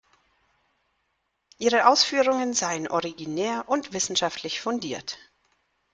Ihre Ausführungen seien originär und wissenschaftlich fundiert.